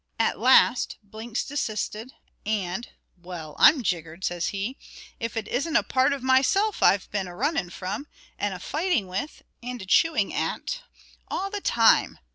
At last Blinks desisted, and "Well, I'm jiggered," says he, "if it isn't a part of myself I've been a running from, and a fighting with, and a chewing at, all the time.